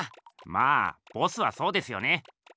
まあボスはそうですよね。